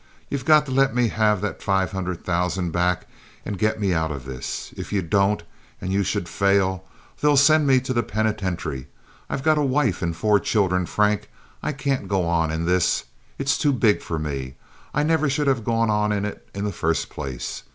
You've got to let me have that five hundred thousand back and get me out of this. If you don't, and you should fail, they'll send me to the penitentiary. I've got a wife and four children, Frank. I can't go on in this. It's too big for me. I never should have gone in on it in the first place.